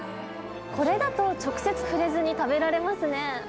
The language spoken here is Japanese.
これだと、直接触れずに食べられますね。